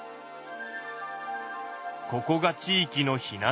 ここが地域の避難所。